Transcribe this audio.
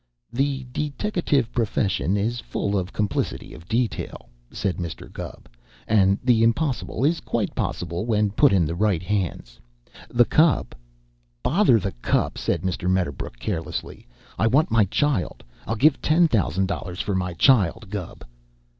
"The deteckative profession is full of complicity of detail," said Mr. Gubb, "and the impossible is quite possible when put in the right hands. The cup " "Bother the cup!" said Mr. Medderbrook carelessly. "I want my child I'll give ten thousand dollars for my child, Gubb."